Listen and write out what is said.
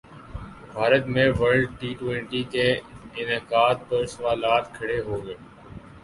بھارت میں World T twenty کے انعقاد پر سوالات کھڑے ہوگئے